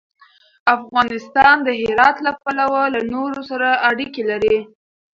افغانستان د هرات له پلوه له نورو سره اړیکې لري.